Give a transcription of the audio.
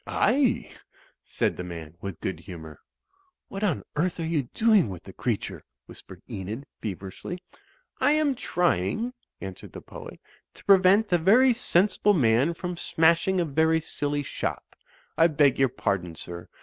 "Aye," said the man, with good humour. "What on earth are you doing with the creature?" whispered Enid, feverishly. "I am trying," answered the poet, "to prevent a very sensible man from smashing a very silly shop. I beg your pardon, sir.